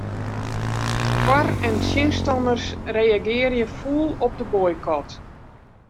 Foar- en tsjinstanners reagearje fûl op de boykot.